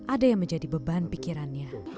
ada yang menjadi beban pikirannya